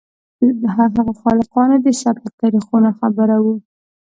د هغو خالقان د ثبت له طریقو ناخبره وو.